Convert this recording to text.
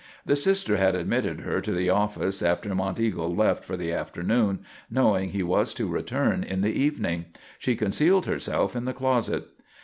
The sister had admitted her to the office after Monteagle left for the afternoon, knowing he was to return in the evening. She concealed herself in the closet.